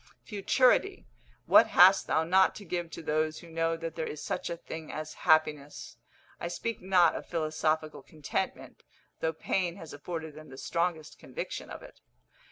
Futurity, what hast thou not to give to those who know that there is such a thing as happiness! I speak not of philosophical contentment, though pain has afforded them the strongest conviction of it.